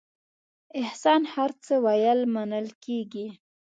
احسان هر څه ویل منل کېږي.